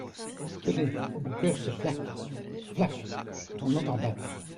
Tenez, mon cœur fait flac ! flac ! on l’entend battre !